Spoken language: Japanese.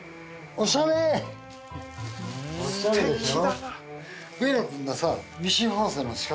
おしゃれでしょ？